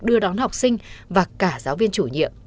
đưa đón học sinh và cả giáo viên chủ nhiệm